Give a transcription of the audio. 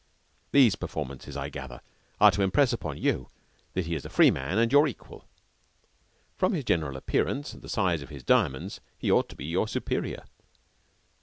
These performances, I gather, are to impress upon you that he is a free man and your equal. From his general appearance and the size of his diamonds he ought to be your superior.